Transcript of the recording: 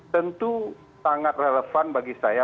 tentu sangat relevan bagi saya